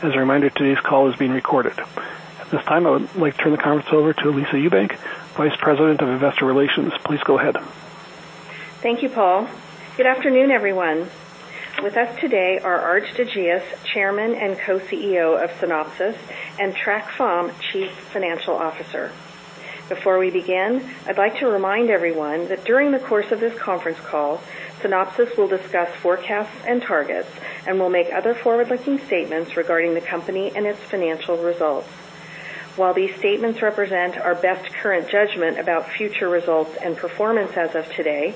As a reminder, today's call is being recorded. At this time, I would like to turn the conference over to Lisa Ewbank, Vice President of Investor Relations. Please go ahead. Thank you, Paul. Good afternoon, everyone. With us today are Aart de Geus, Chairman and Co-CEO of Synopsys, and Trac Pham, Chief Financial Officer. Before we begin, I'd like to remind everyone that during the course of this conference call, Synopsys will discuss forecasts and targets and will make other forward-looking statements regarding the company and its financial results. While these statements represent our best current judgment about future results and performance as of today,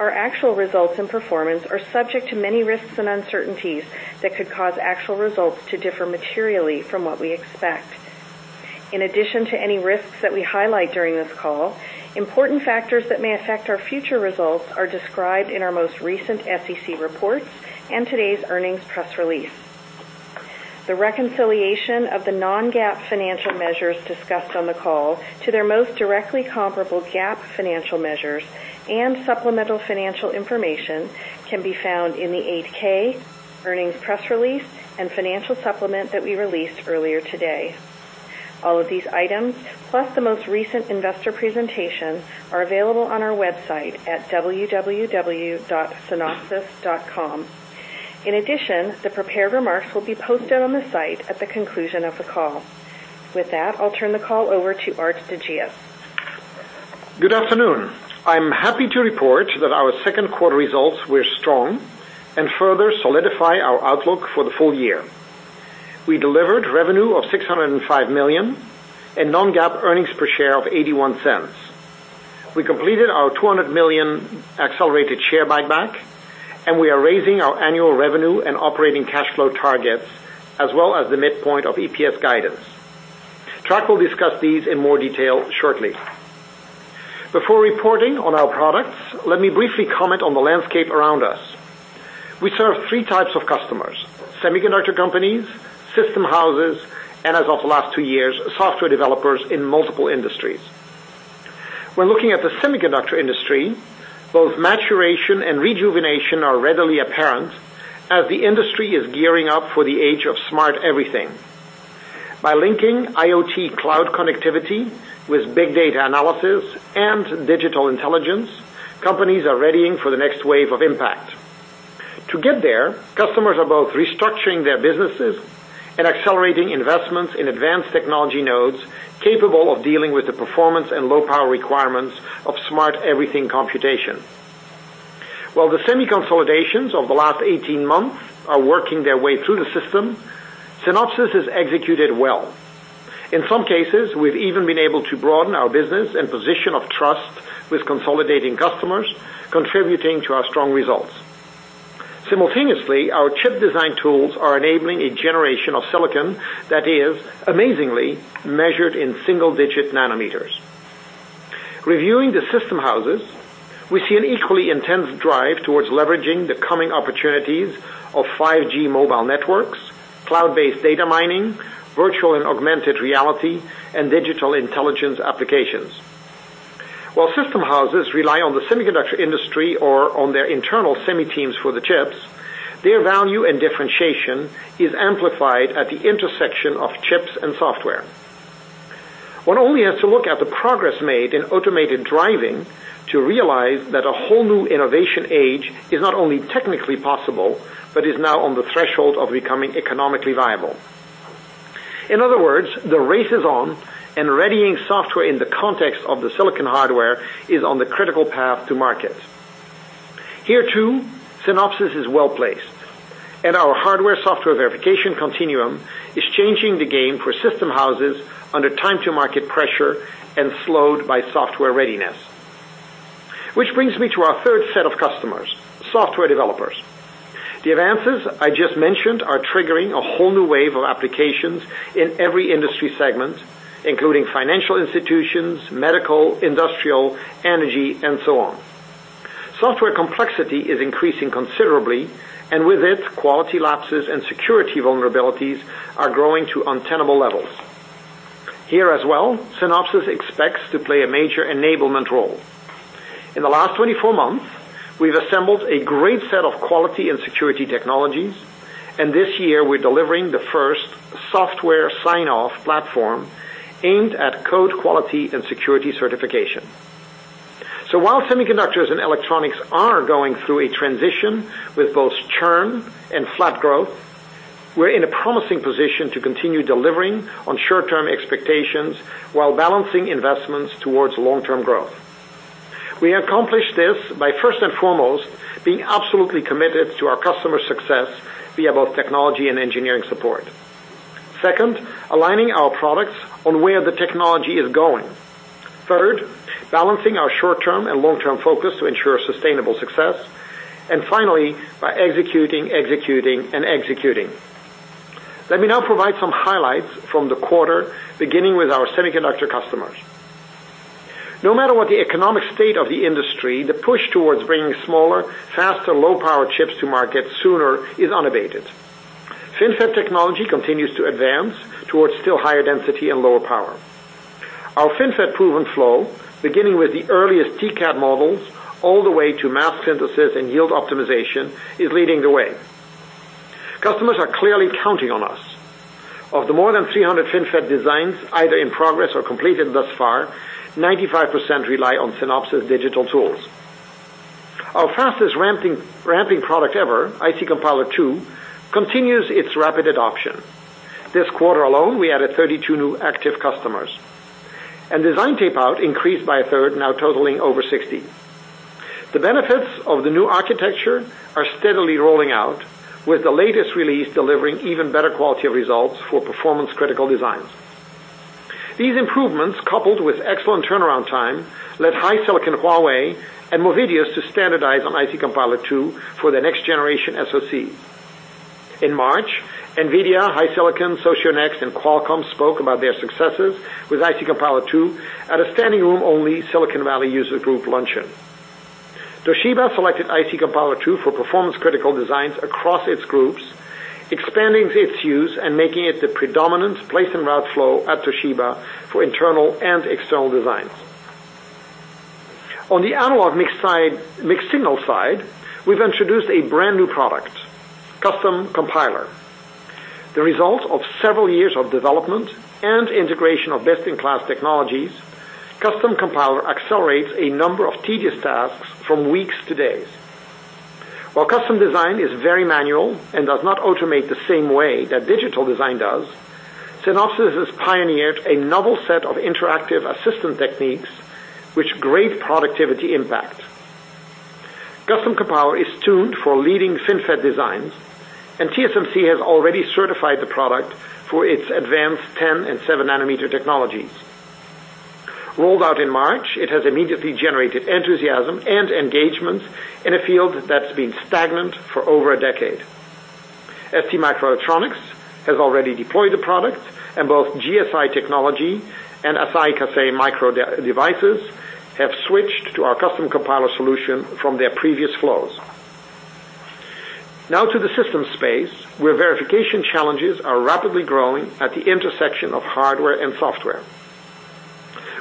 our actual results and performance are subject to many risks and uncertainties that could cause actual results to differ materially from what we expect. In addition to any risks that we highlight during this call, important factors that may affect our future results are described in our most recent SEC reports and today's earnings press release. The reconciliation of the non-GAAP financial measures discussed on the call to their most directly comparable GAAP financial measures and supplemental financial information can be found in the 8-K, earnings press release, and financial supplement that we released earlier today. All of these items, plus the most recent investor presentation, are available on our website at www.synopsys.com. In addition, the prepared remarks will be posted on the site at the conclusion of the call. With that, I'll turn the call over to Aart de Geus. Good afternoon. I'm happy to report that our second quarter results were strong and further solidify our outlook for the full year. We delivered revenue of $605 million and non-GAAP earnings per share of $0.81. We completed our $200 million accelerated share buyback, and we are raising our annual revenue and operating cash flow targets, as well as the midpoint of EPS guidance. Trac will discuss these in more detail shortly. Before reporting on our products, let me briefly comment on the landscape around us. We serve 3 types of customers, semiconductor companies, system houses, and as of the last two years, software developers in multiple industries. When looking at the semiconductor industry, both maturation and rejuvenation are readily apparent as the industry is gearing up for the age of smart everything. By linking IoT cloud connectivity with big data analysis and digital intelligence, companies are readying for the next wave of impact. To get there, customers are both restructuring their businesses and accelerating investments in advanced technology nodes capable of dealing with the performance and low power requirements of smart everything computation. While the semi consolidations of the last 18 months are working their way through the system, Synopsys has executed well. In some cases, we've even been able to broaden our business and position of trust with consolidating customers, contributing to our strong results. Simultaneously, our chip design tools are enabling a generation of silicon that is amazingly measured in single-digit nanometers. Reviewing the system houses, we see an equally intense drive towards leveraging the coming opportunities of 5G mobile networks, cloud-based data mining, virtual and augmented reality, and digital intelligence applications. While system houses rely on the semiconductor industry or on their internal semi teams for the chips, their value and differentiation is amplified at the intersection of chips and software. One only has to look at the progress made in automated driving to realize that a whole new innovation age is not only technically possible but is now on the threshold of becoming economically viable. In other words, the race is on, and readying software in the context of the silicon hardware is on the critical path to market. Here too, Synopsys is well-placed, and our Verification Continuum is changing the game for system houses under time-to-market pressure and slowed by software readiness, which brings me to our third set of customers, software developers. The advances I just mentioned are triggering a whole new wave of applications in every industry segment, including financial institutions, medical, industrial, energy, and so on. Software complexity is increasing considerably, and with it, quality lapses and security vulnerabilities are growing to untenable levels. Here as well, Synopsys expects to play a major enablement role. In the last 24 months, we've assembled a great set of quality and security technologies, and this year we're delivering the first software sign-off platform aimed at code quality and security certification. While semiconductors and electronics are going through a transition with both churn and flat growth, we're in a promising position to continue delivering on short-term expectations while balancing investments towards long-term growth. We accomplish this by first and foremost, being absolutely committed to our customers' success via both technology and engineering support. Second, aligning our products on where the technology is going. Third, balancing our short-term and long-term focus to ensure sustainable success, and finally by executing, and executing. Let me now provide some highlights from the quarter, beginning with our semiconductor customers. No matter what the economic state of the industry, the push towards bringing smaller, faster, low-power chips to market sooner is unabated. FinFET technology continues to advance towards still higher density and lower power. Our FinFET-proven flow, beginning with the earliest TCAD models all the way to mask synthesis and yield optimization, is leading the way. Customers are clearly counting on us. Of the more than 300 FinFET designs, either in progress or completed thus far, 95% rely on Synopsys digital tools. Our fastest-ramping product ever, IC Compiler II, continues its rapid adoption. This quarter alone, we added 32 new active customers, and design tape-out increased by a third, now totaling over 60. The benefits of the new architecture are steadily rolling out, with the latest release delivering even better quality of results for performance-critical designs. These improvements, coupled with excellent turnaround time, led HiSilicon Huawei and Movidius to standardize on IC Compiler II for their next-generation SoC. In March, Nvidia, HiSilicon, Socionext, and Qualcomm spoke about their successes with IC Compiler II at a standing-room-only Silicon Valley user group luncheon. Toshiba selected IC Compiler II for performance-critical designs across its groups, expanding its use and making it the predominant place and route flow at Toshiba for internal and external designs. On the analog mixed signal side, we've introduced a brand-new product, Custom Compiler. The result of several years of development and integration of best-in-class technologies, Custom Compiler accelerates a number of tedious tasks from weeks to days. While custom design is very manual and does not automate the same way that digital design does, Synopsys has pioneered a novel set of interactive assistant techniques, which create productivity impact. Custom Compiler is tuned for leading FinFET designs, and TSMC has already certified the product for its advanced 10 and seven nanometer technologies. Rolled out in March, it has immediately generated enthusiasm and engagement in a field that's been stagnant for over a decade. STMicroelectronics has already deployed the product, and both GSI Technology and Asahi Kasei Microdevices have switched to our Custom Compiler solution from their previous flows. Now to the system space, where verification challenges are rapidly growing at the intersection of hardware and software.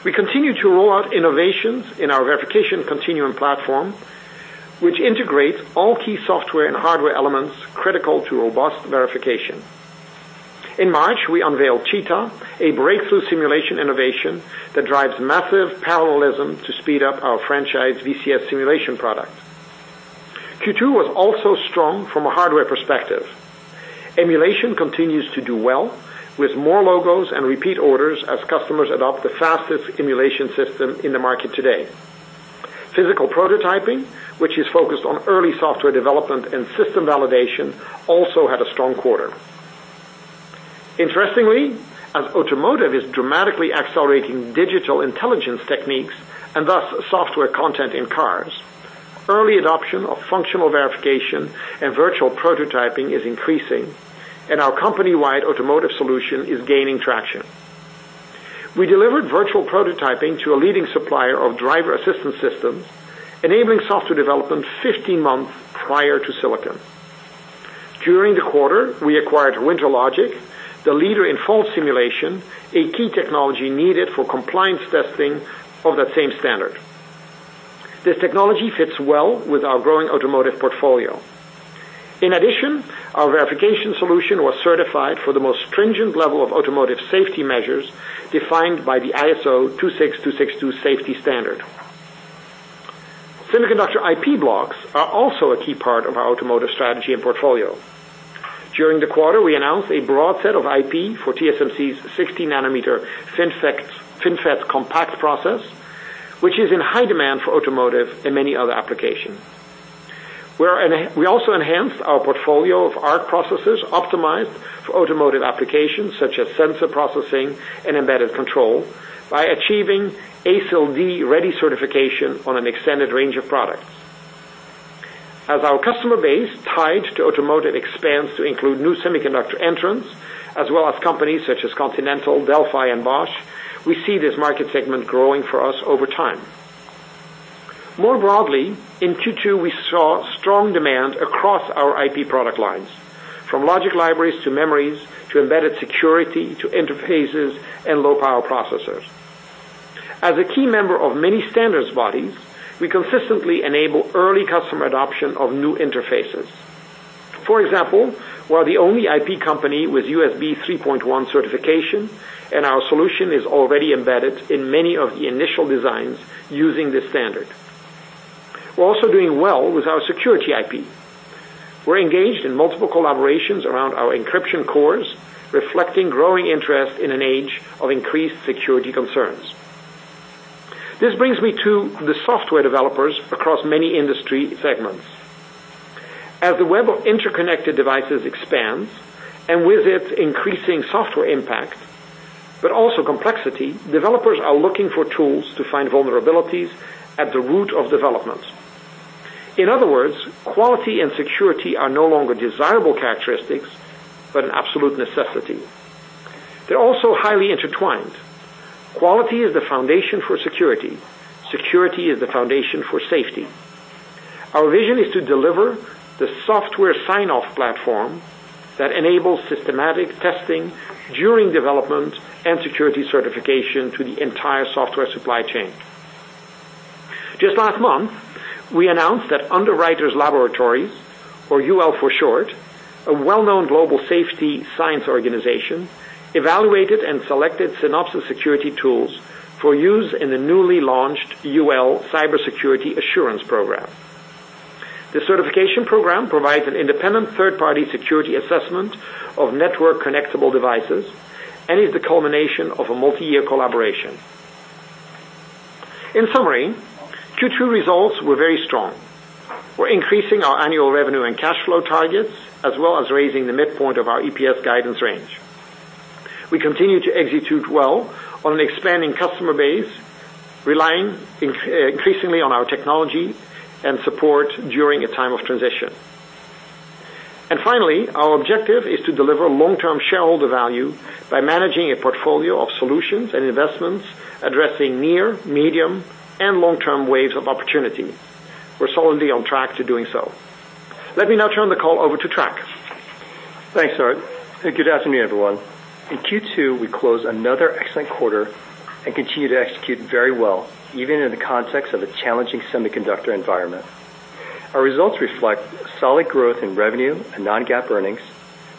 We continue to roll out innovations in our Verification Continuum platform, which integrates all key software and hardware elements critical to robust verification. In March, we unveiled Cheetah, a breakthrough simulation innovation that drives massive parallelism to speed up our franchise VCS simulation product. Q2 was also strong from a hardware perspective. Emulation continues to do well, with more logos and repeat orders as customers adopt the fastest emulation system in the market today. Physical prototyping, which is focused on early software development and system validation, also had a strong quarter. Interestingly, as automotive is dramatically accelerating digital intelligence techniques and thus software content in cars, early adoption of functional verification and virtual prototyping is increasing, and our company-wide automotive solution is gaining traction. We delivered virtual prototyping to a leading supplier of driver assistance systems, enabling software development 15 months prior to Silicon. During the quarter, we acquired WinterLogic, the leader in fault simulation, a key technology needed for compliance testing of that same standard. This technology fits well with our growing automotive portfolio. In addition, our verification solution was certified for the most stringent level of automotive safety measures defined by the ISO 26262 safety standard. Semiconductor IP blocks are also a key part of our automotive strategy and portfolio. During the quarter, we announced a broad set of IP for TSMC's 16 nanometer FinFET compact process, which is in high demand for automotive and many other applications. We also enhanced our portfolio of ARC processors optimized for automotive applications such as sensor processing and embedded control by achieving ASIL D ready certification on an extended range of products. As our customer base tied to automotive expands to include new semiconductor entrants as well as companies such as Continental, Delphi, and Bosch, we see this market segment growing for us over time. More broadly, in Q2, we saw strong demand across our IP product lines, from logic libraries to memories, to embedded security, to interfaces, and low power processors. As a key member of many standards bodies, we consistently enable early customer adoption of new interfaces. For example, we're the only IP company with USB 3.1 certification, and our solution is already embedded in many of the initial designs using this standard. We're also doing well with our security IP. We're engaged in multiple collaborations around our encryption cores, reflecting growing interest in an age of increased security concerns. This brings me to the software developers across many industry segments. As the web of interconnected devices expands and with it increasing software impact, but also complexity, developers are looking for tools to find vulnerabilities at the root of development. In other words, quality and security are no longer desirable characteristics, but an absolute necessity. They're also highly intertwined. Quality is the foundation for security. Security is the foundation for safety. Our vision is to deliver the software sign-off platform that enables systematic testing during development and security certification to the entire software supply chain. Just last month, we announced that Underwriters Laboratories, or UL for short, a well-known global safety science organization, evaluated and selected Synopsys security tools for use in the newly launched UL Cybersecurity Assurance Program. This certification program provides an independent third-party security assessment of network connectable devices and is the culmination of a multi-year collaboration. In summary, Q2 results were very strong. We're increasing our annual revenue and cash flow targets, as well as raising the midpoint of our EPS guidance range. We continue to execute well on an expanding customer base, relying increasingly on our technology and support during a time of transition. Finally, our objective is to deliver long-term shareholder value by managing a portfolio of solutions and investments addressing near, medium, and long-term waves of opportunity. We're solidly on track to doing so. Let me now turn the call over to Trac. Thanks, Aart. Good afternoon, everyone. In Q2, we closed another excellent quarter and continued to execute very well, even in the context of a challenging semiconductor environment. Our results reflect solid growth in revenue and non-GAAP earnings,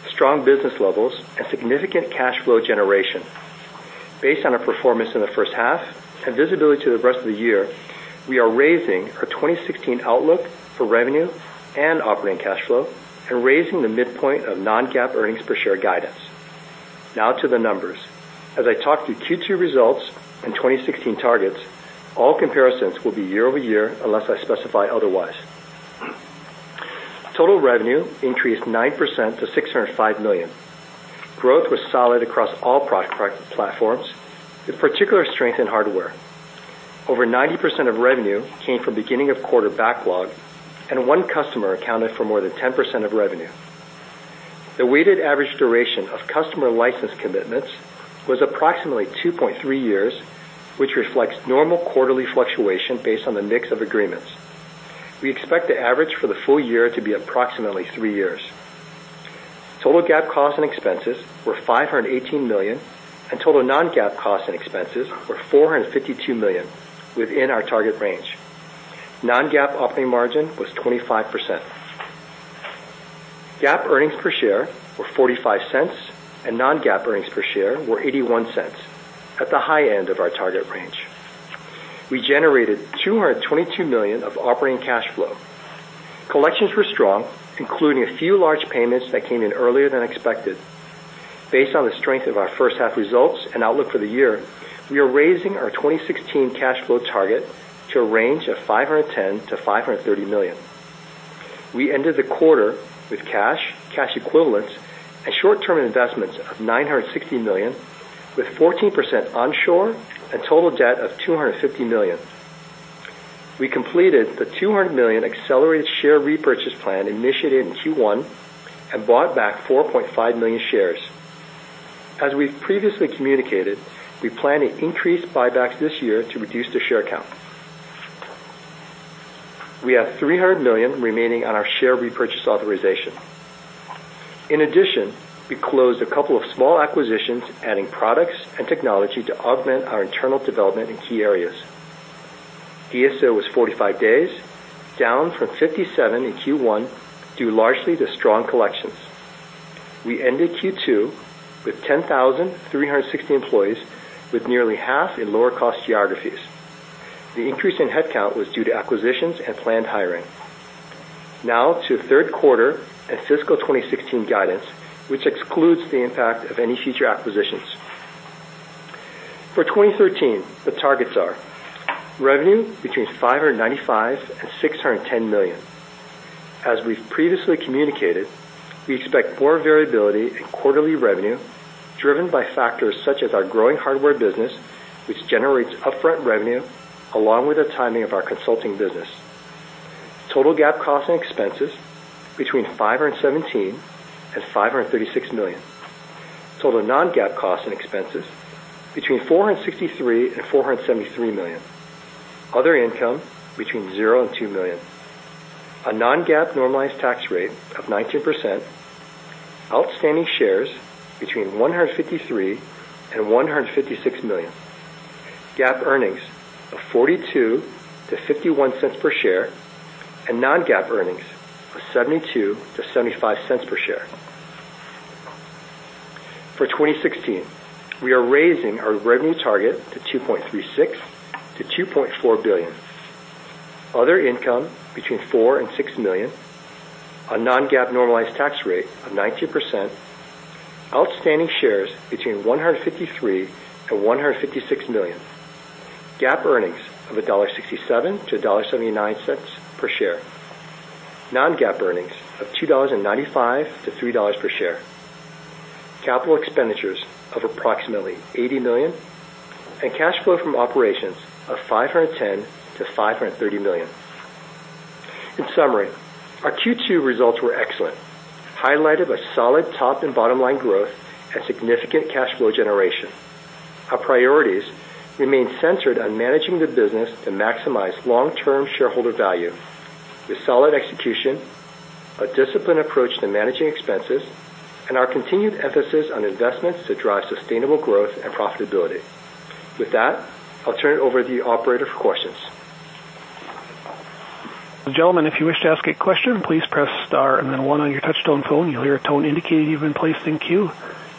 strong business levels, and significant cash flow generation. Based on our performance in the first half and visibility to the rest of the year, we are raising our 2016 outlook for revenue and operating cash flow and raising the midpoint of non-GAAP earnings per share guidance. Now to the numbers. As I talk through Q2 results and 2016 targets, all comparisons will be year-over-year unless I specify otherwise. Total revenue increased 9% to $605 million. Growth was solid across all product platforms, with particular strength in hardware. Over 90% of revenue came from beginning of quarter backlog, and one customer accounted for more than 10% of revenue. The weighted average duration of customer license commitments was approximately 2.3 years, which reflects normal quarterly fluctuation based on the mix of agreements. We expect the average for the full year to be approximately three years. Total GAAP costs and expenses were $518 million, and total non-GAAP costs and expenses were $452 million, within our target range. Non-GAAP operating margin was 25%. GAAP earnings per share were $0.45, and non-GAAP earnings per share were $0.81, at the high end of our target range. We generated $222 million of operating cash flow. Collections were strong, including a few large payments that came in earlier than expected. Based on the strength of our first half results and outlook for the year, we are raising our 2016 cash flow target to a range of $510 million-$530 million. We ended the quarter with cash equivalents, and short-term investments of $960 million, with 14% onshore and total debt of $250 million. We completed the $200 million accelerated share repurchase plan initiated in Q1 and bought back 4.5 million shares. As we've previously communicated, we plan to increase buybacks this year to reduce the share count. We have $300 million remaining on our share repurchase authorization. In addition, we closed a couple of small acquisitions, adding products and technology to augment our internal development in key areas. DSO was 45 days, down from 57 in Q1, due largely to strong collections. We ended Q2 with 10,360 employees, with nearly half in lower cost geographies. The increase in headcount was due to acquisitions and planned hiring. Now to third quarter and fiscal 2016 guidance, which excludes the impact of any future acquisitions. For Q3, the targets are revenue between $595 million-$610 million. As we've previously communicated, we expect more variability in quarterly revenue driven by factors such as our growing hardware business, which generates upfront revenue along with the timing of our consulting business. Total GAAP costs and expenses between $517 million-$536 million. Total non-GAAP costs and expenses between $463 million-$473 million. Other income between $0-$2 million. A non-GAAP normalized tax rate of 19%, outstanding shares between 153 million-156 million. GAAP earnings of $0.42-$0.51 per share, and non-GAAP earnings of $0.72-$0.75 per share. For 2016, we are raising our revenue target to $2.36 billion-$2.4 billion. Other income between $4 million-$6 million. A non-GAAP normalized tax rate of 19%. Outstanding shares between 153 million-156 million. GAAP earnings of $1.67-$1.79 per share. Non-GAAP earnings of $2.95-$3 per share. Capital expenditures of approximately $80 million, and cash flow from operations of $510 million-$530 million. In summary, our Q2 results were excellent, highlighted by solid top and bottom line growth and significant cash flow generation. Our priorities remain centered on managing the business to maximize long-term shareholder value with solid execution, a disciplined approach to managing expenses, and our continued emphasis on investments to drive sustainable growth and profitability. With that, I'll turn it over to the operator for questions. Gentlemen, if you wish to ask a question, please press star and then one on your touch-tone phone. You'll hear a tone indicating you've been placed in queue.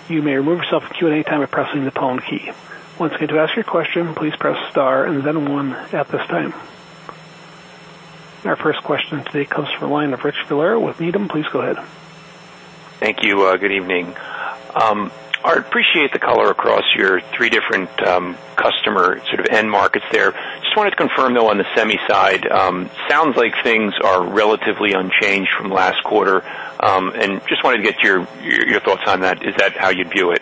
You may remove yourself from queue at any time by pressing the pound key. Once again, to ask your question, please press star and then one at this time. Our first question today comes from the line of Rich Valera with Needham. Please go ahead. Thank you. Good evening. I appreciate the color across your three different customer sort of end markets there. Just wanted to confirm, though, on the semi side, sounds like things are relatively unchanged from last quarter. Just wanted to get your thoughts on that. Is that how you view it?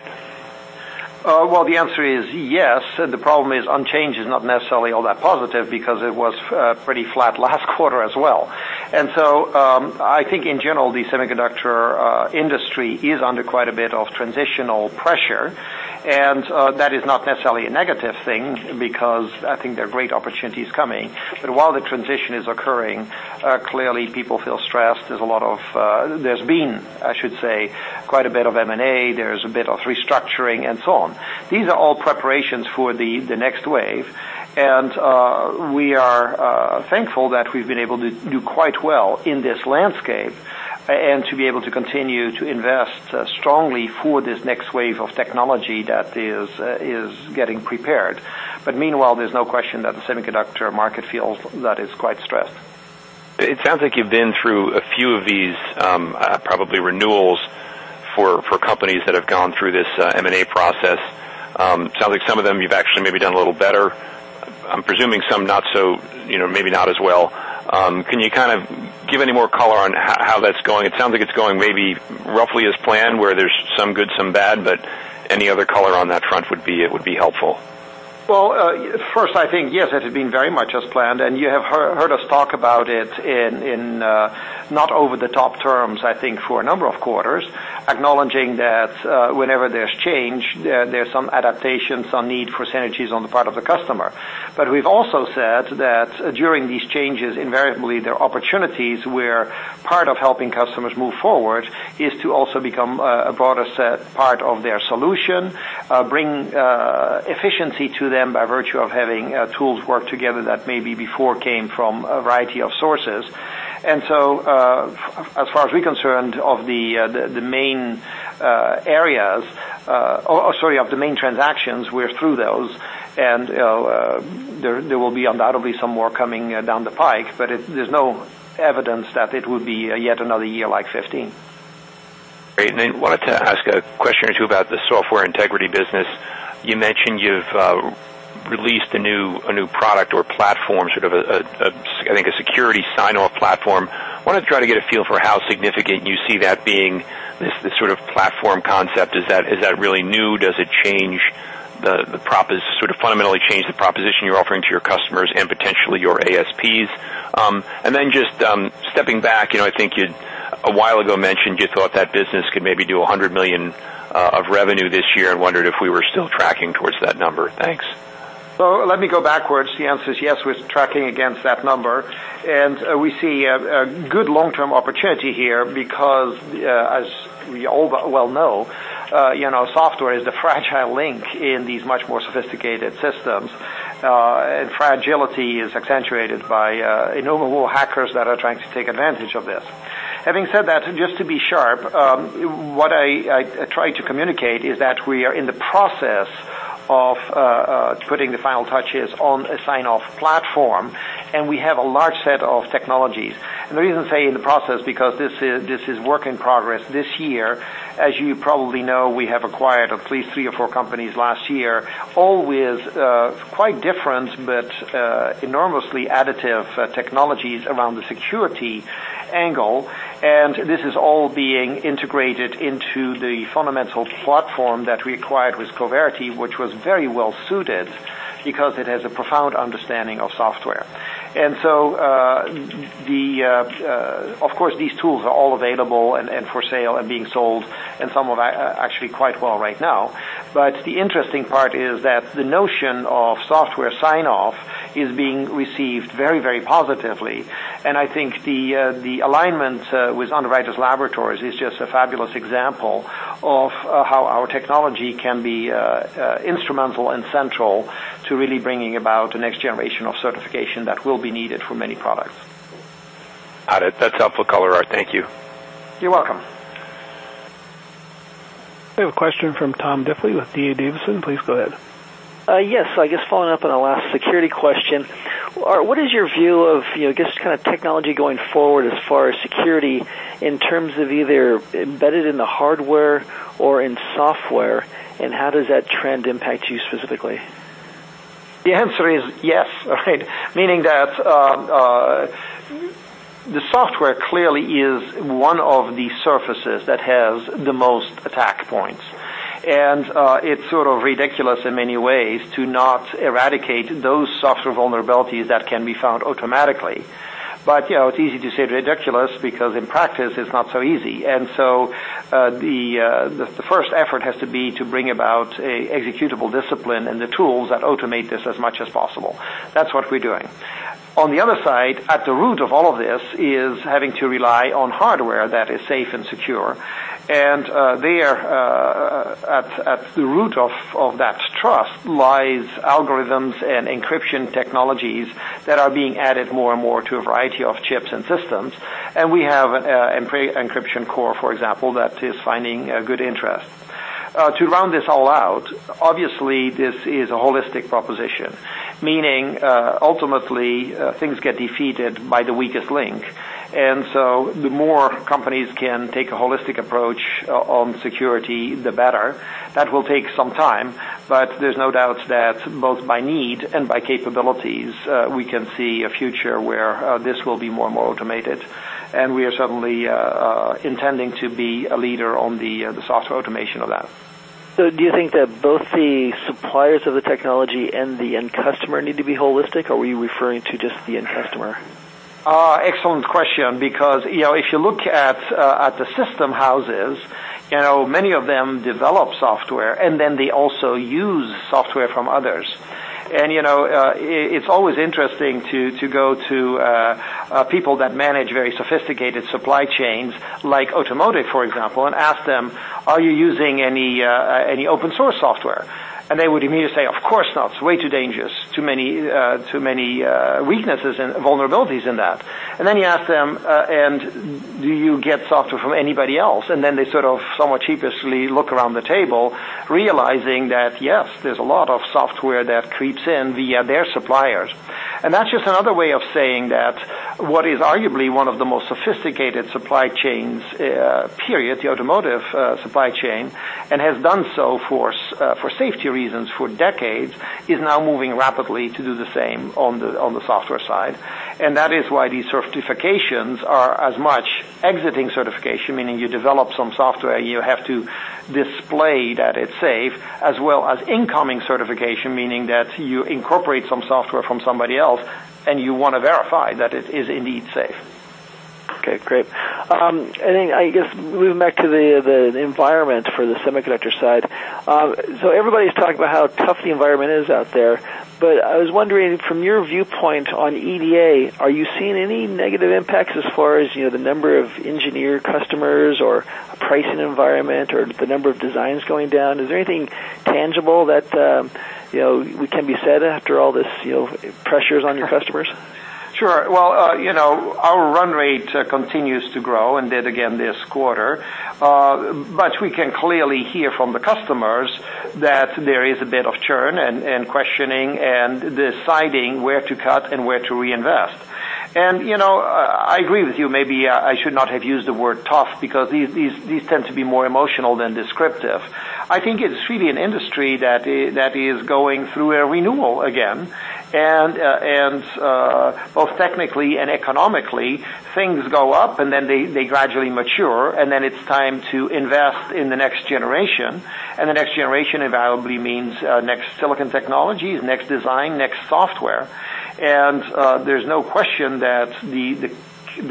Well, the answer is yes. The problem is unchanged is not necessarily all that positive because it was pretty flat last quarter as well. I think in general, the semiconductor industry is under quite a bit of transitional pressure, and that is not necessarily a negative thing because I think there are great opportunities coming. While the transition is occurring, clearly people feel stressed. There's been, I should say, quite a bit of M&A. There's a bit of restructuring and so on. These are all preparations for the next wave. We are thankful that we've been able to do quite well in this landscape and to be able to continue to invest strongly for this next wave of technology that is getting prepared. Meanwhile, there's no question that the semiconductor market feels that it's quite stressed. It sounds like you've been through a few of these probably renewals for companies that have gone through this M&A process. Sounds like some of them you've actually maybe done a little better. I'm presuming some maybe not as well. Can you kind of give any more color on how that's going? It sounds like it's going maybe roughly as planned, where there's some good, some bad, but any other color on that front would be helpful. First, I think, yes, it has been very much as planned, and you have heard us talk about it in not over-the-top terms, I think for a number of quarters, acknowledging that whenever there's change, there's some adaptation, some need for synergies on the part of the customer. We've also said that during these changes, invariably, there are opportunities where part of helping customers move forward is to also become a broader set part of their solution, bring efficiency to them by virtue of having tools work together that maybe before came from a variety of sources. As far as we're concerned of the main transactions, we're through those, and there will be undoubtedly some more coming down the pike, but there's no evidence that it will be yet another year like 2015. Great. Then wanted to ask a question or two about the software integrity business. You mentioned you've released a new product or platform, sort of, I think, a security sign-off platform. Want to try to get a feel for how significant you see that being, this sort of platform concept. Is that really new? Does it sort of fundamentally change the proposition you're offering to your customers and potentially your ASPs? Then just stepping back, I think you a while ago mentioned you thought that business could maybe do $100 million of revenue this year. I wondered if we were still tracking towards that number. Thanks. Let me go backwards. The answer is yes, we're tracking against that number, and we see a good long-term opportunity here because as we all well know, software is the fragile link in these much more sophisticated systems. Fragility is accentuated by innumerable hackers that are trying to take advantage of this. Having said that, just to be sharp, what I tried to communicate is that we are in the process of putting the final touches on a sign-off platform, and we have a large set of technologies. The reason I say in the process, because this is work in progress this year. As you probably know, we have acquired at least three or four companies last year, all with quite different but enormously additive technologies around the security angle. This is all being integrated into the fundamental platform that we acquired with Coverity, which was very well suited because it has a profound understanding of software. Of course, these tools are all available and for sale and being sold, and some of actually quite well right now. The interesting part is that the notion of software sign-off is being received very positively, and I think the alignment with Underwriters Laboratories is just a fabulous example of how our technology can be instrumental and central to really bringing about the next generation of certification that will be needed for many products. Got it. That's helpful color. Thank you. You're welcome. We have a question from Tom Diffely with D.A. Davidson. Please go ahead. Yes. I guess following up on the last security question. What is your view of, just kind of technology going forward as far as security in terms of either embedded in the hardware or in software, and how does that trend impact you specifically? The answer is yes. Meaning that the software clearly is one of the surfaces that has the most attack points, and it's sort of ridiculous in many ways to not eradicate those software vulnerabilities that can be found automatically. It's easy to say ridiculous because in practice, it's not so easy. The first effort has to be to bring about executable discipline and the tools that automate this as much as possible. That's what we're doing. On the other side, at the root of all of this is having to rely on hardware that is safe and secure, and there at the root of that trust lies algorithms and encryption technologies that are being added more and more to a variety of chips and systems. We have encryption core, for example, that is finding a good interest. To round this all out, obviously, this is a holistic proposition, meaning, ultimately, things get defeated by the weakest link. The more companies can take a holistic approach on security, the better. That will take some time, there's no doubt that both by need and by capabilities, we can see a future where this will be more and more automated. We are certainly intending to be a leader on the software automation of that. Do you think that both the suppliers of the technology and the end customer need to be holistic, or were you referring to just the end customer? Excellent question, because if you look at the system houses, many of them develop software, then they also use software from others. It's always interesting to go to people that manage very sophisticated supply chains, like automotive, for example, and ask them, "Are you using any open source software?" They would immediately say, "Of course not. It's way too dangerous. Too many weaknesses and vulnerabilities in that." Then you ask them, "Do you get software from anybody else?" Then they sort of somewhat sheepishly look around the table, realizing that yes, there's a lot of software that creeps in via their suppliers. That's just another way of saying that what is arguably one of the most sophisticated supply chains, period, the automotive supply chain, and has done so for safety reasons for decades, is now moving rapidly to do the same on the software side. That is why these certifications are as much exiting certification, meaning you develop some software, you have to display that it's safe, as well as incoming certification, meaning that you incorporate some software from somebody else, and you want to verify that it is indeed safe. Okay, great. I guess moving back to the environment for the semiconductor side. Everybody's talking about how tough the environment is out there, I was wondering from your viewpoint on EDA, are you seeing any negative impacts as far as the number of engineer customers or pricing environment or the number of designs going down? Is there anything tangible that can be said after all this pressure's on your customers? Sure. Well, our run rate continues to grow, and did again this quarter. We can clearly hear from the customers that there is a bit of churn and questioning and deciding where to cut and where to reinvest. I agree with you, maybe I should not have used the word tough because these tend to be more emotional than descriptive. I think it's really an industry that is going through a renewal again. Both technically and economically, things go up then they gradually mature, then it's time to invest in the next generation. The next generation invariably means next silicon technologies, next design, next software. There's no question that the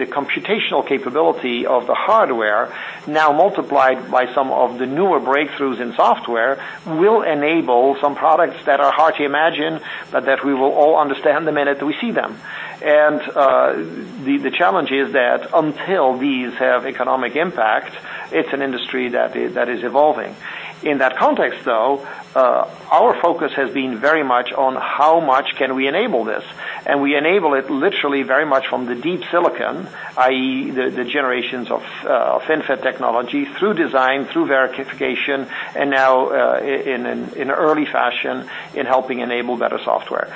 computational capability of the hardware, now multiplied by some of the newer breakthroughs in software, will enable some products that are hard to imagine, but that we will all understand the minute we see them. The challenge is that until these have economic impact, it's an industry that is evolving. In that context, though, our focus has been very much on how much can we enable this, and we enable it literally very much from the deep silicon, i.e., the generations of FinFET technology through design, through verification, and now in an early fashion in helping enable better software.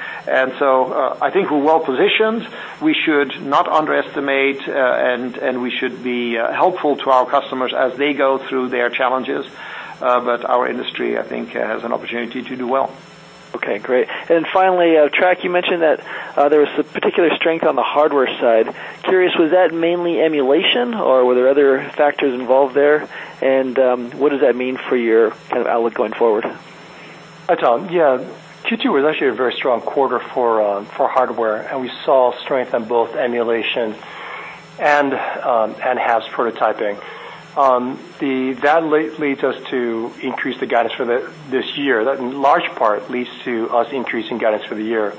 So I think we're well-positioned. We should not underestimate, and we should be helpful to our customers as they go through their challenges. Our industry, I think, has an opportunity to do well. Okay, great. Finally, Trac, you mentioned that there was a particular strength on the hardware side. Curious, was that mainly emulation or were there other factors involved there? What does that mean for your kind of outlook going forward? Hi, Tom. Yeah. Q2 was actually a very strong quarter for hardware, we saw strength in both emulation and HAPS prototyping. That leads us to increase the guidance for this year. That in large part leads to us increasing guidance for the year.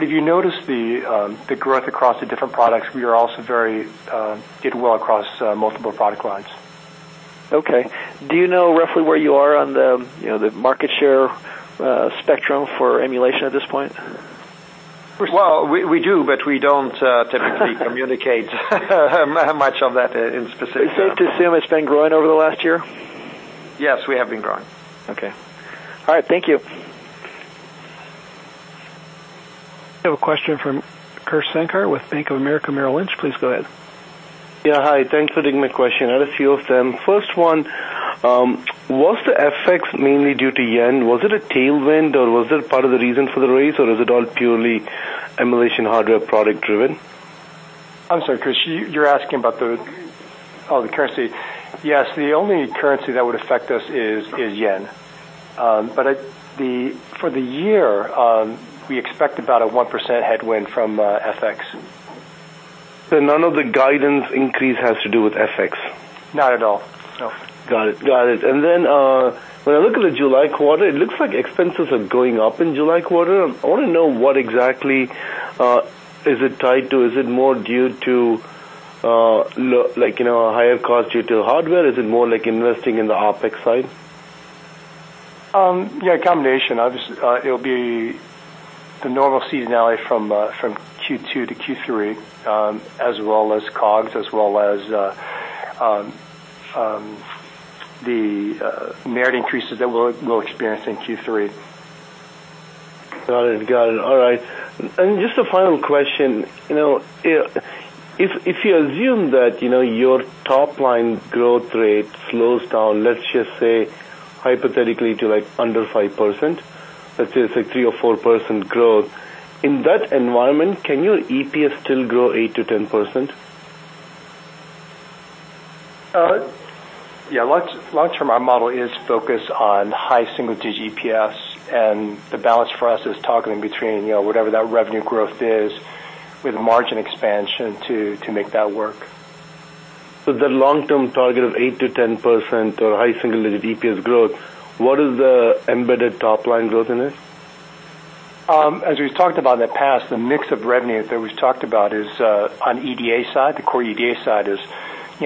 If you notice the growth across the different products, we also did well across multiple product lines. Okay. Do you know roughly where you are on the market share spectrum for emulation at this point? Well, we do, but we don't typically communicate much on that in specific. Is it safe to assume it's been growing over the last year? Yes, we have been growing. Okay. All right. Thank you. We have a question from Krish Sankar with Bank of America Merrill Lynch. Please go ahead. Yeah. Hi. Thanks for taking my question. I had a few of them. First one, was the FX mainly due to yen? Was it a tailwind, or was it part of the reason for the raise, or is it all purely emulation hardware product driven? I'm sorry, Krish. You're asking about the- Oh, the currency. Yes, the only currency that would affect us is yen. For the year, we expect about a 1% headwind from FX. None of the guidance increase has to do with FX? Not at all. No. Got it. When I look at the July quarter, it looks like expenses are going up in July quarter. I want to know what exactly is it tied to. Is it more due to higher cost due to hardware? Is it more like investing in the OpEx side? A combination. It'll be the normal seasonality from Q2 to Q3, as well as COGS, as well as the merit increases that we'll experience in Q3. Got it. All right. Just a final question. If you assume that your top-line growth rate slows down, let's just say hypothetically to under 5%, let's say it's a 3% or 4% growth. In that environment, can your EPS still grow 8%-10%? Yeah. Long term, our model is focused on high single-digit EPS, the balance for us is toggling between whatever that revenue growth is with margin expansion to make that work. The long-term target of 8%-10% or high single-digit EPS growth, what is the embedded top-line growth in this? As we've talked about in the past, the mix of revenue that we've talked about is on EDA side, the core EDA side is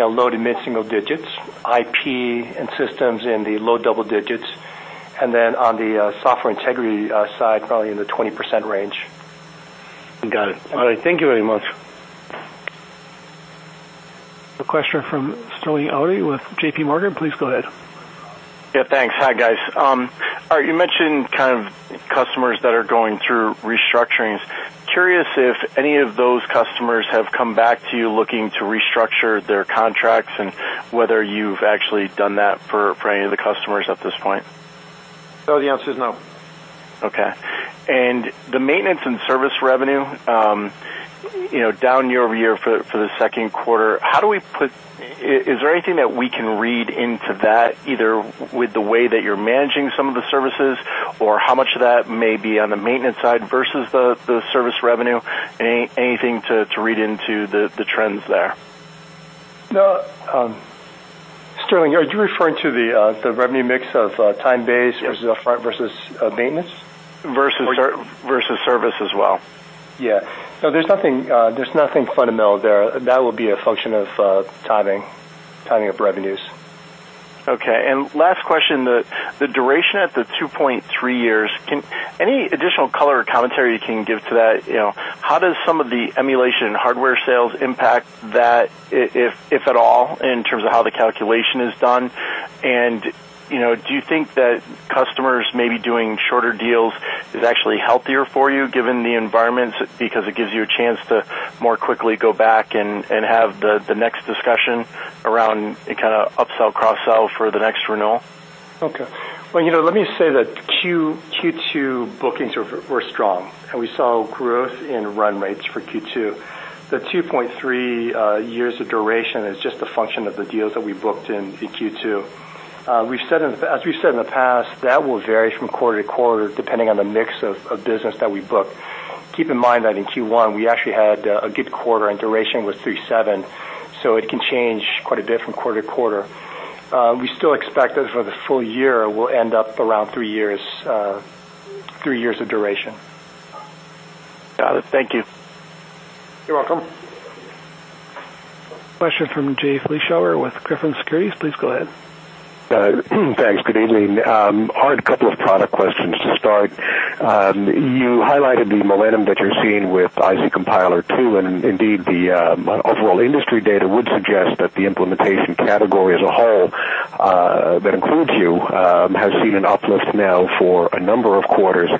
low to mid-single digits, IP and systems in the low double digits, and then on the software integrity side, probably in the 20% range. Got it. All right. Thank you very much. The question from Sterling Auty with JPMorgan. Please go ahead. Yeah, thanks. Hi, guys. You mentioned kind of customers that are going through restructurings. Curious if any of those customers have come back to you looking to restructure their contracts, and whether you've actually done that for any of the customers at this point. No, the answer is no. Okay. The maintenance and service revenue, down year-over-year for the second quarter, is there anything that we can read into that, either with the way that you're managing some of the services or how much of that may be on the maintenance side versus the service revenue? Anything to read into the trends there? No. Sterling, are you referring to the revenue mix of time base Yes. Versus upfront versus maintenance? Versus service as well. Yeah. No, there's nothing fundamental there. That will be a function of timing of revenues. Okay. Last question, the duration at the 2.3 years, any additional color or commentary you can give to that? How does some of the emulation hardware sales impact that, if at all, in terms of how the calculation is done? Do you think that customers maybe doing shorter deals is actually healthier for you given the environment because it gives you a chance to more quickly go back and have the next discussion around a kind of upsell, cross-sell for the next renewal? Okay. Well, let me say that Q2 bookings were strong, and we saw growth in run rates for Q2. The 2.3 years of duration is just a function of the deals that we booked in Q2. As we've said in the past, that will vary from quarter to quarter, depending on the mix of business that we book. Keep in mind that in Q1, we actually had a good quarter, and duration was 3.7, so it can change quite a bit from quarter to quarter. We still expect that for the full year, we'll end up around three years of duration. Got it. Thank you. You're welcome. Question from Jay Vleeschhouwer with Griffin Securities. Please go ahead. Thanks. Good evening. I had a couple of product questions to start. You highlighted the momentum that you're seeing with IC Compiler II. Indeed, the overall industry data would suggest that the implementation category as a whole, that includes you, has seen an uplift now for a number of quarters.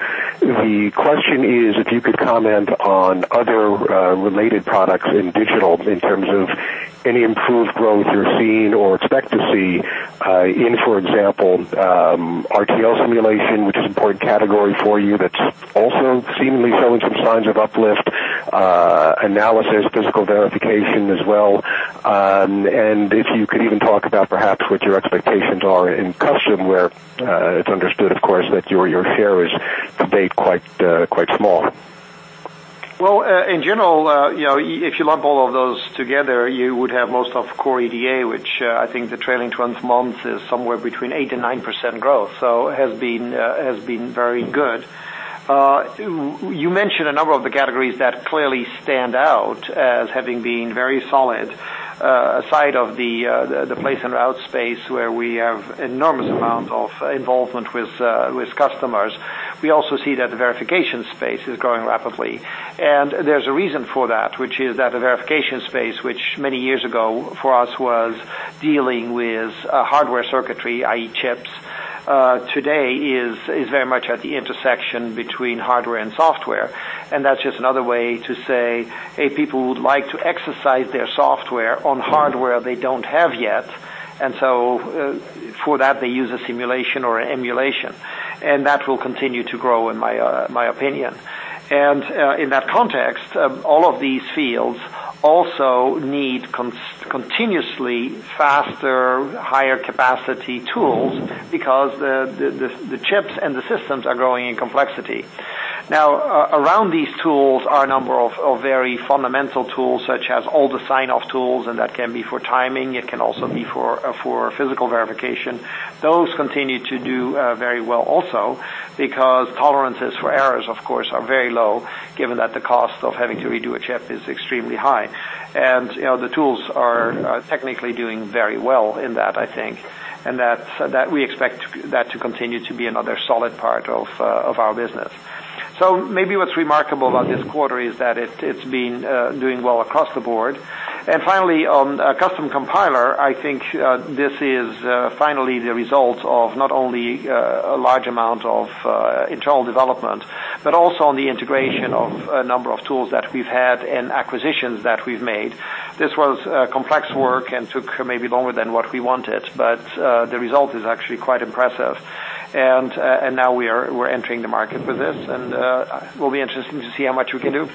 The question is if you could comment on other related products in digital in terms of any improved growth you're seeing or expect to see in, for example, RTL simulation, which is an important category for you that's also seemingly showing some signs of uplift, analysis, physical verification as well. If you could even talk about perhaps what your expectations are in custom, where it's understood, of course, that your share is to date quite small. Well, in general, if you lump all of those together, you would have most of core EDA, which I think the trailing 12 months is somewhere between 8% and 9% growth. Has been very good. You mentioned a number of the categories that clearly stand out as having been very solid aside of the place and route space where we have enormous amounts of involvement with customers. We also see that the verification space is growing rapidly. There's a reason for that, which is that the verification space, which many years ago for us was dealing with hardware circuitry, i.e. chips, today is very much at the intersection between hardware and software. That's just another way to say, hey, people would like to exercise their software on hardware they don't have yet. For that, they use a simulation or an emulation, and that will continue to grow in my opinion. In that context, all of these fields also need continuously faster, higher capacity tools because the chips and the systems are growing in complexity. Around these tools are a number of very fundamental tools, such as all the sign-off tools, and that can be for timing. It can also be for physical verification. Those continue to do very well also because tolerances for errors, of course, are very low given that the cost of having to redo a chip is extremely high. The tools are technically doing very well in that, I think. We expect that to continue to be another solid part of our business. Maybe what's remarkable about this quarter is that it's been doing well across the board. Finally, on Custom Compiler, I think this is finally the result of not only a large amount of internal development, but also on the integration of a number of tools that we've had and acquisitions that we've made. This was complex work and took maybe longer than what we wanted, but the result is actually quite impressive. Now we're entering the market with this, and will be interesting to see how much we can do.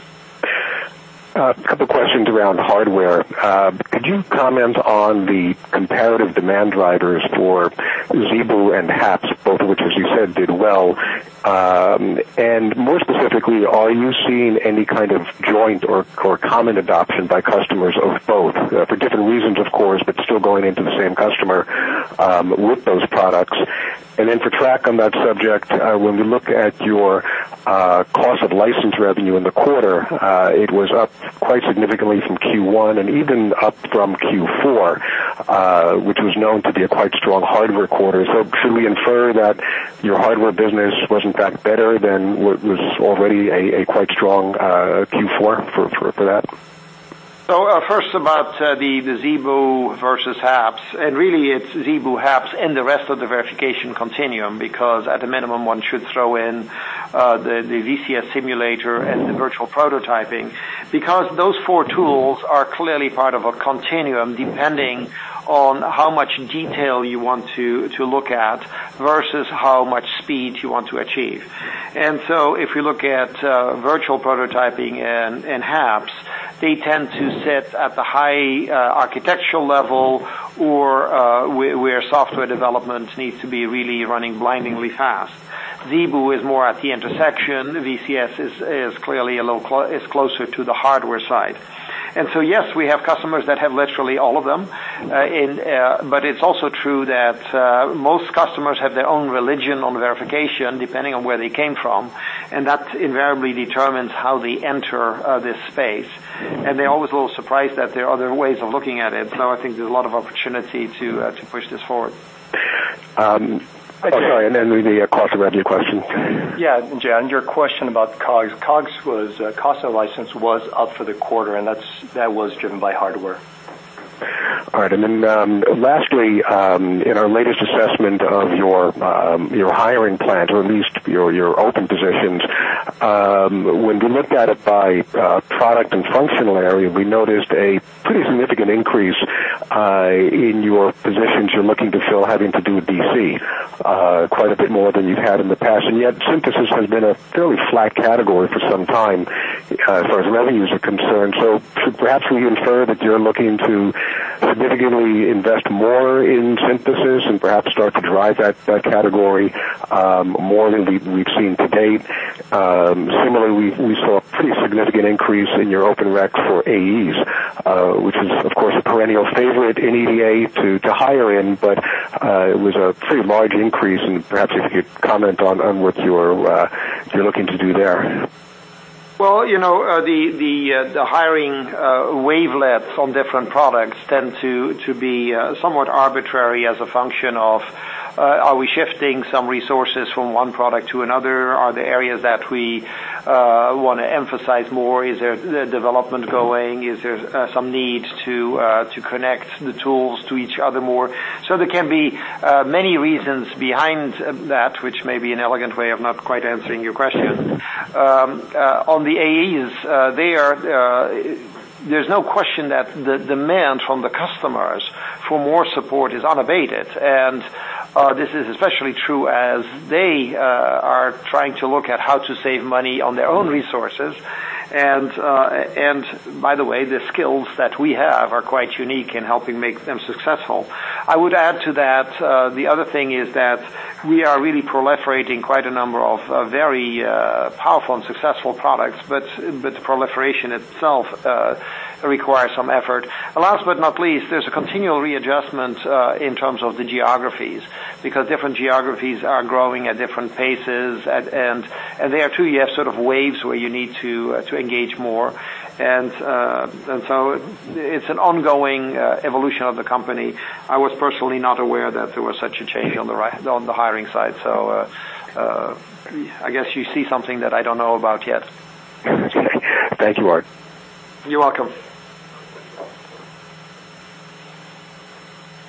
A couple questions around hardware. Could you comment on the comparative demand drivers for ZeBu and HAPS, both of which, as you said, did well? More specifically, are you seeing any kind of joint or common adoption by customers of both, for different reasons, of course, but still going into the same customer with those products? Then for Trac on that subject, when we look at your cost of license revenue in the quarter, it was up quite significantly from Q1 and even up from Q4, which was known to be a quite strong hardware quarter. Should we infer that your hardware business was in fact better than what was already a quite strong Q4 for that? First about the ZeBu versus HAPS, and really it's ZeBu, HAPS, and the rest of the Verification Continuum, because at a minimum, one should throw in the VCS simulator and the virtual prototyping. Those four tools are clearly part of a continuum, depending on how much detail you want to look at versus how much speed you want to achieve. If you look at virtual prototyping and HAPS, they tend to sit at the high architectural level or where software development needs to be really running blindingly fast. ZeBu is more at the intersection. VCS is closer to the hardware side. Yes, we have customers that have literally all of them. It's also true that most customers have their own religion on verification, depending on where they came from, and that invariably determines how they enter this space. They're always a little surprised that there are other ways of looking at it. I think there's a lot of opportunity to push this forward. Oh, sorry, the cost of revenue question. Yeah, Jay, your question about COGS. COGS was cost of license was up for the quarter, and that was driven by hardware. All right, lastly, in our latest assessment of your hiring plans, or at least your open positions, when we looked at it by product and functional area, we noticed a pretty significant increase in your positions you're looking to fill having to do with DC quite a bit more than you've had in the past. Yet synthesis has been a fairly slack category for some time as far as revenues are concerned. Should perhaps we infer that you're looking to significantly invest more in synthesis and perhaps start to drive that category more than we've seen to date? Similarly, we saw a pretty significant increase in your open req for AEs, which is, of course, a perennial favorite in EDA to hire in, but it was a pretty large increase, and perhaps if you could comment on what you're looking to do there. Well, the hiring wavelets on different products tend to be somewhat arbitrary as a function of are we shifting some resources from one product to another? Are there areas that we want to emphasize more? Is there development going? Is there some need to connect the tools to each other more? There can be many reasons behind that, which may be an elegant way of not quite answering your question. On the AEs, there's no question that the demand from the customers for more support is unabated, and this is especially true as they are trying to look at how to save money on their own resources. By the way, the skills that we have are quite unique in helping make them successful. I would add to that, the other thing is that we are really proliferating quite a number of very powerful and successful products, the proliferation itself requires some effort. Last but not least, there's a continual readjustment in terms of the geographies because different geographies are growing at different paces, and there too you have sort of waves where you need to engage more. It's an ongoing evolution of the company. I was personally not aware that there was such a change on the hiring side, I guess you see something that I don't know about yet. Thank you, Aart. You're welcome.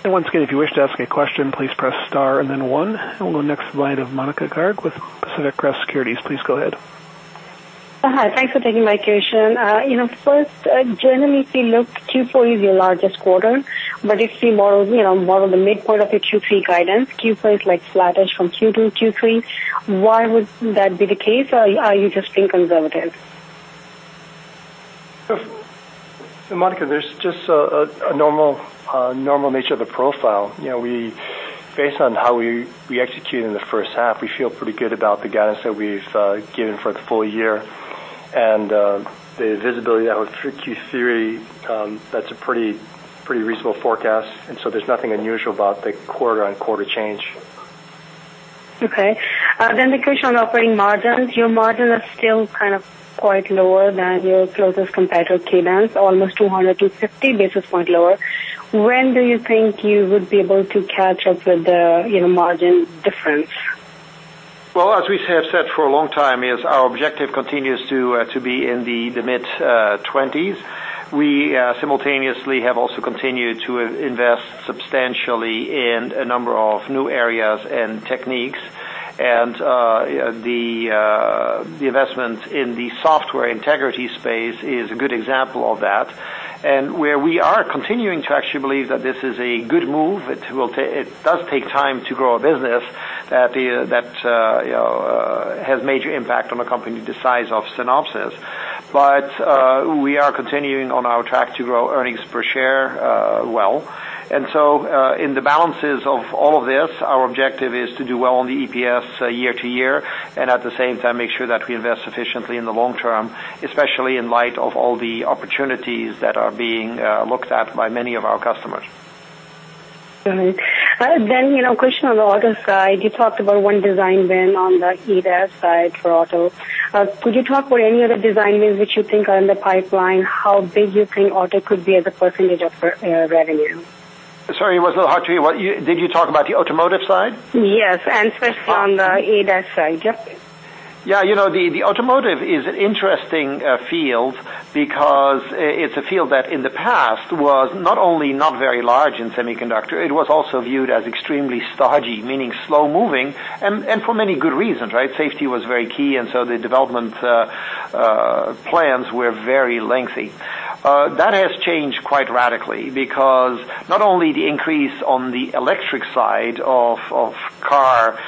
Once again, if you wish to ask a question, please press star and then one. We'll go next to the line of Monika Garg with Pacific Crest Securities. Please go ahead. Hi, thanks for taking my question. First, generally if we look, Q4 is your largest quarter, if we model the midpoint of your Q3 guidance, Q4 is flattish from Q2, Q3. Why would that be the case? Are you just being conservative? Monika, there's just a normal nature of the profile. Based on how we execute in the first half, we feel pretty good about the guidance that we've given for the full year, the visibility out of Q3, that's a pretty reasonable forecast, there's nothing unusual about the quarter-on-quarter change. Okay. The question on operating margins. Your margin is still quite lower than your closest competitor, Cadence, almost 250 basis points lower. When do you think you would be able to catch up with the margin difference? Well, as we have said for a long time, is our objective continues to be in the mid-20s. We simultaneously have also continued to invest substantially in a number of new areas and techniques, the investment in the software integrity space is a good example of that. Where we are continuing to actually believe that this is a good move, it does take time to grow a business that has major impact on a company the size of Synopsys. We are continuing on our track to grow earnings per share well. In the balances of all of this, our objective is to do well on the EPS year-to-year, and at the same time, make sure that we invest sufficiently in the long term, especially in light of all the opportunities that are being looked at by many of our customers. All right. Question on the auto side, you talked about one design win on the ADAS side for auto. Could you talk about any other design wins which you think are in the pipeline? How big you think auto could be as a % of revenue? Sorry, it was a little hard to hear. Did you talk about the automotive side? Yes, specifically on the ADAS side. Yep. Yeah, the automotive is an interesting field because it's a field that in the past was not only not very large in semiconductor, it was also viewed as extremely stodgy, meaning slow-moving, and for many good reasons. So the development plans were very lengthy. That has changed quite radically because not only the increase on the electric side of car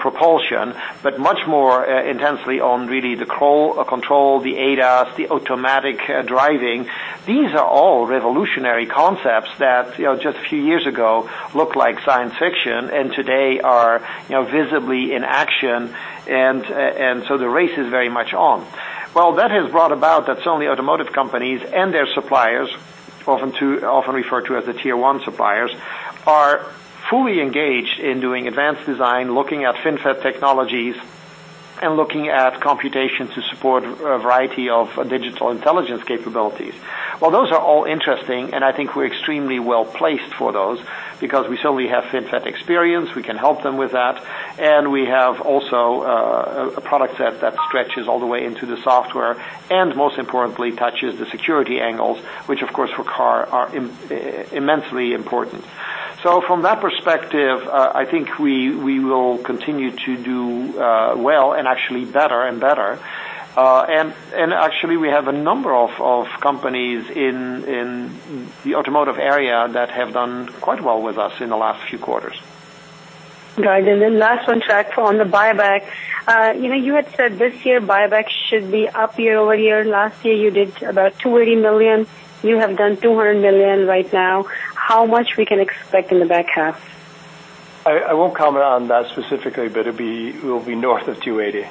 propulsion, but much more intensely on really the control, the ADAS, the automatic driving. These are all revolutionary concepts that just a few years ago looked like science fiction and today are visibly in action. So the race is very much on. Well, that has brought about that certainly automotive companies and their suppliers, often referred to as the tier 1 suppliers, are fully engaged in doing advanced design, looking at FinFET technologies, looking at computation to support a variety of digital intelligence capabilities. Well, those are all interesting. I think we're extremely well-placed for those because we certainly have FinFET experience, we can help them with that. We have also a product set that stretches all the way into the software, most importantly, touches the security angles, which, of course, for car are immensely important. From that perspective, I think we will continue to do well and actually better and better. Actually, we have a number of companies in the automotive area that have done quite well with us in the last few quarters. Got it. Then last one, Trac, on the buyback. You had said this year buyback should be up year-over-year. Last year, you did about $280 million. You have done $200 million right now. How much we can expect in the back half? I won't comment on that specifically. It will be north of $280.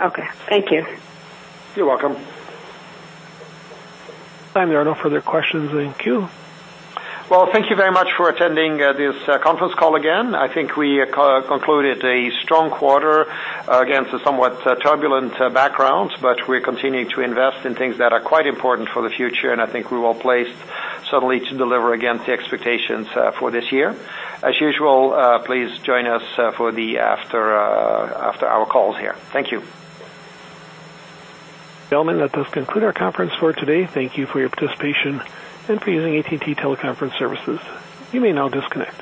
Okay. Thank you. You're welcome. There are no further questions in queue. Well, thank you very much for attending this conference call again. I think we concluded a strong quarter against a somewhat turbulent background, but we're continuing to invest in things that are quite important for the future, and I think we're well-placed certainly to deliver against the expectations for this year. As usual, please join us for the after-hour calls here. Thank you. Gentlemen, that does conclude our conference for today. Thank you for your participation and for using AT&T Teleconference Services. You may now disconnect.